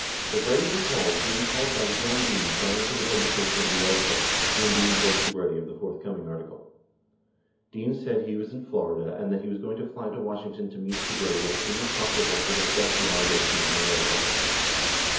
56 Segretti recalls being called by John Dean prior to the publication of the article, when Dean told Segretti of the forthcoming article. Dean said he was in Florida and that he was going to fly to Washington to meet Segretti as soon as possible to discuss the allegations in the article.